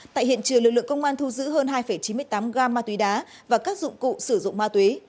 tại hiện trường lực lượng công an thu giữ hơn hai chín mươi tám gam ma túy đá và các dụng cụ sử dụng ma túy